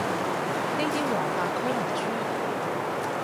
呢啲黃泛區農村